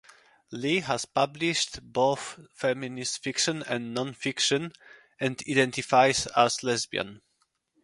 Lee has published both feminist fiction and non-fiction and identifies as lesbian.